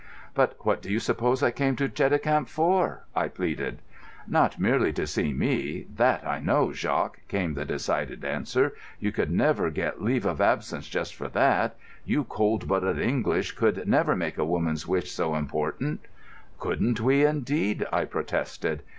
"But what do you suppose I came to Cheticamp for?" I pleaded. "Not merely to see me—that I know, Jacques," came the decided answer. "You could never get leave of absence just for that. You cold blooded English could never make a woman's wishes so important." "Couldn't we, indeed?" I protested.